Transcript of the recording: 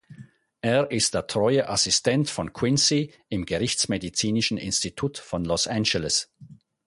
Er ist der treue Assistent von Quincy im gerichtsmedizinischen Institut von Los Angeles.